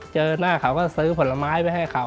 เจอหน้าเขาก็ซื้อผลไม้ไปให้เขา